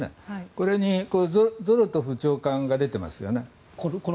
ここにゾロトフ長官が出てますよね。